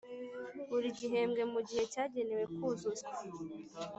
Buri gihembwe mu gihe cyagenewe kuzuzwa